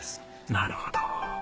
なるほど。